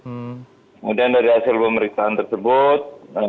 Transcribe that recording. kemudian dari hasil pemeriksaan tersebut